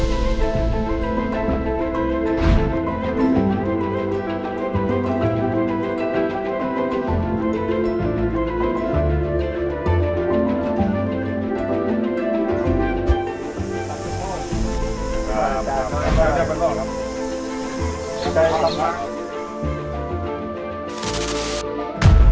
มันต้องการต้องการนะคะเพราะว่าเราเป็นพื้นที่สีแดงเนาะ